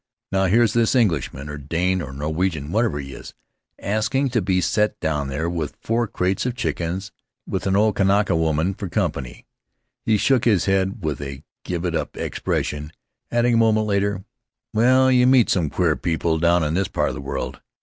Now here's this Englishman, or Dane, or Norwegian — whatever he is — asking to be set down there with four crates of chickens and an old Kanaka woman for company!' He shook his head with a give it up expression, adding a moment later: "Well, you meet some queer people down in this part of the world.